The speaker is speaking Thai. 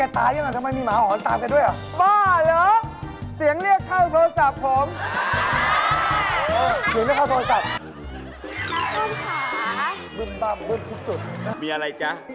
โปรดติดตามตอนต่อไป